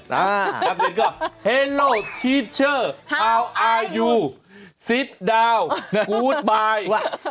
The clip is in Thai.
นักเรียนก็ฮัลโหลทีชเชอร์ฮาวอายูซิดดาวกู๊ดบาย